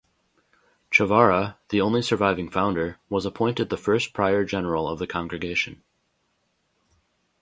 Chavara, the only surviving founder, was appointed the first Prior General of the congregation.